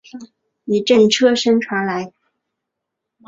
一阵车声传来